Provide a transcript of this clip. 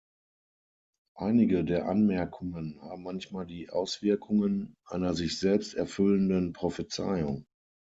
Einige der Anmerkungen haben manchmal die Auswirkungen einer sich selbst erfüllenden Prophezeiung.